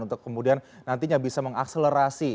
untuk kemudian nantinya bisa mengakselerasi